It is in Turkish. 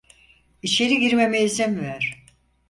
İçeri girmeme izin ver.